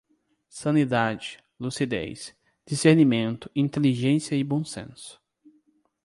Sanidade, lucidez, discernimento, inteligência e bom senso